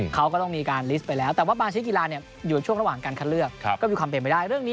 เรามี๑รายการแล้วคือ